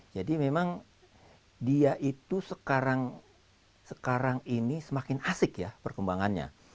jadi memang dia itu sekarang ini semakin asik ya perkembangannya